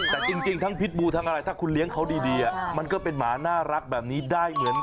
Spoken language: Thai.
แต่จริงทั้งพิษบูทั้งอะไรถ้าคุณเลี้ยงเขาดีมันก็เป็นหมาน่ารักแบบนี้ได้เหมือนกัน